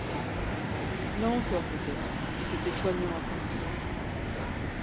Là encore peut-être, et c’était poignant à penser.